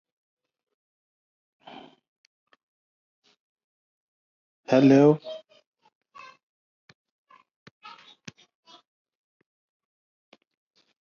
"Jama" was studied in elementary schools throughout the Socialist Federal Republic of Yugoslavia.